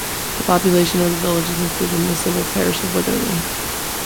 The population of the village is included in the civil parish of Witherley.